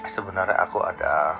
sebenernya aku ada